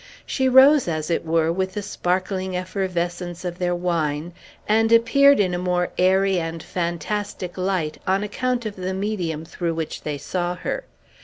She rose, as it were, with the sparkling effervescence of their wine, and appeared in a more airy and fantastic light on account of the medium through which they saw her.